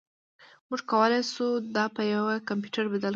موږ کولی شو دا په یو کمپیوټر بدل کړو